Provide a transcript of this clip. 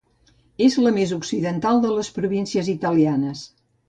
És la més occidental de les províncies italianes.